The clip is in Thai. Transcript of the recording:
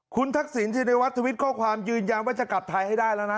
คุณทักษิณชินวัฒนทวิตข้อความยืนยันว่าจะกลับไทยให้ได้แล้วนะ